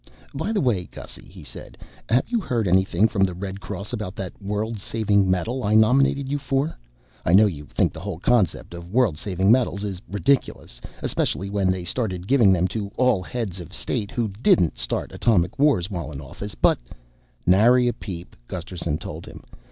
"By the way, Gussy," he said, "have you heard anything from the Red Cross about that world saving medal I nominated you for? I know you think the whole concept of world saving medals is ridiculous, especially when they started giving them to all heads of state who didn't start atomic wars while in office, but " "Nary a peep," Gusterson told him.